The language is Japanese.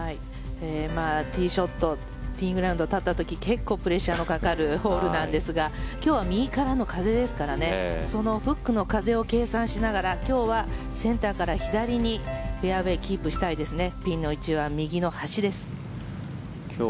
ティーショットティーインググラウンドに立った時結構、プレッシャーのかかるホールなんですが今日は右からの風ですからそのフックの風を計算しながら今日はセンターから左にフェアウェーキープしたいですね。